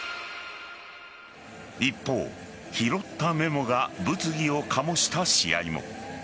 一方、拾ったメモが物議を醸した試合も。